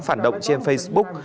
phản động trên facebook